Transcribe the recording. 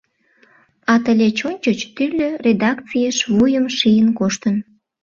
А тылеч ончыч тӱрлӧ редакцийыш вуйым шийын коштын.